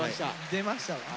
出ましたわ。